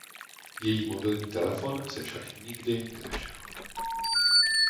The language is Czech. Její mobilní telefon se však nikdy nenašel.